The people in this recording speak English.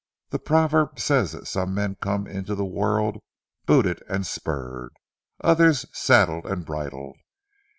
The proverb says that some men come into the world booted and spurred others saddled and bridled.